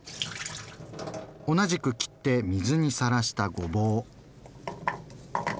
同じく切って水にさらしたごぼう。